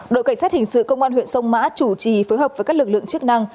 đội cảnh sát hình sự công an huyện sông mã chủ trì phối hợp với các lực lượng chức năng